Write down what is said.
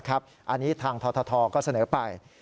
อันนี้ทางททก็เสนอไป